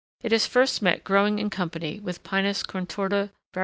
It is first met growing in company with Pinus contorta, var.